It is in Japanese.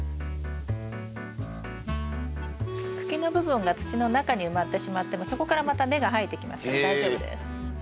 茎の部分が土の中に埋まってしまってもそこからまた根が生えてきますから大丈夫です。